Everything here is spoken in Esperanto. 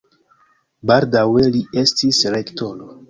Baldaŭe li estis rektoro.